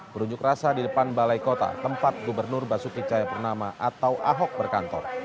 berunjuk rasa di depan balai kota tempat gubernur basuki cahayapurnama atau ahok berkantor